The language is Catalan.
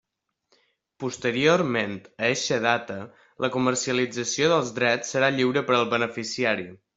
Posteriorment a eixa data, la comercialització dels drets serà lliure per al beneficiari.